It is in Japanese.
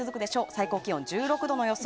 最高気温は１６度の予想。